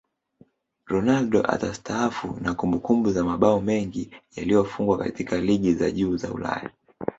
Ronaldo atastaafu na kumbukumbu za mabao mengi yaliyofungwa katika ligi za juu za Ulaya